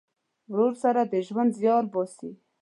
ورور سره د ژوند زیار باسې.